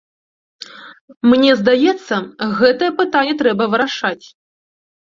Мне здаецца, гэтае пытанне трэба вырашаць.